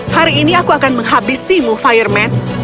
hari ini aku akan menghabisimu fireman